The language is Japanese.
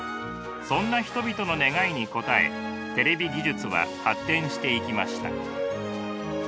そんな人々の願いに応えテレビ技術は発展していきました。